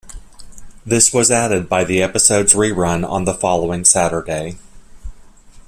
This was added by the episode's rerun on the following Saturday.